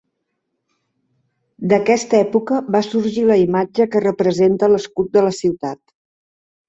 D'aquesta època va sorgir la imatge que representa l'escut de la ciutat.